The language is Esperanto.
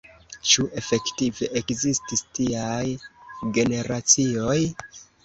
ĉu efektive ekzistis tiaj generacioj?